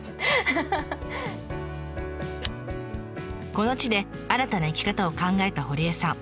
この地で新たな生き方を考えた堀江さん。